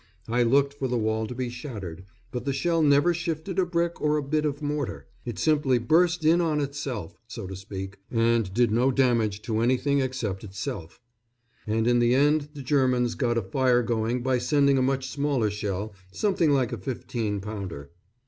I looked for the wall to be shattered, but the shell never shifted a brick or a bit of mortar; it simply burst in on itself, so to speak, and did no damage to anything except itself, and in the end the Germans got a fire going by sending a much smaller shell, something like a fifteen pounder.